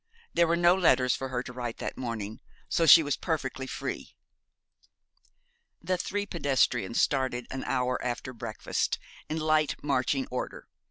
There were no letters for her to write that morning, so she was perfectly free. The three pedestrians started an hour after breakfast, in light marching order.